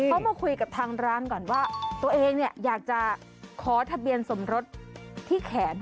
เขามาคุยกับทางร้านก่อนว่าตัวเองเนี่ยอยากจะขอทะเบียนสมรสที่แขน